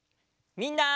みんな。